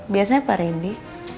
biasanya pak rendi